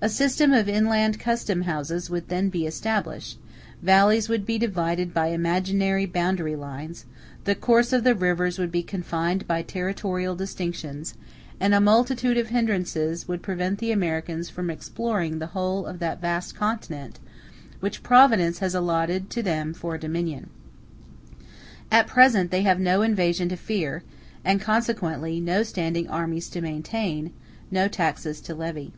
A system of inland custom houses would then be established; the valleys would be divided by imaginary boundary lines; the courses of the rivers would be confined by territorial distinctions; and a multitude of hindrances would prevent the Americans from exploring the whole of that vast continent which Providence has allotted to them for a dominion. At present they have no invasion to fear, and consequently no standing armies to maintain, no taxes to levy.